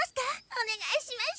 おねがいしましゅ。